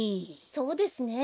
そうですね。